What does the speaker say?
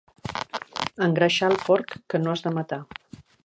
Engreixar el porc que no has de matar.